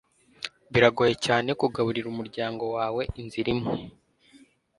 biragoye cyane kugaburira umuryango wawe inzira imwe